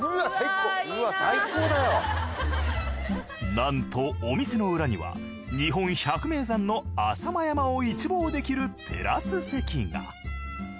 なんとお店の裏には日本百名山の浅間山を一望できるテラス席が。